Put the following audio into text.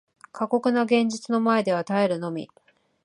過酷な現実の前では耐えるのみ